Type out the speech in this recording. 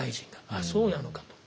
あっそうなのかと。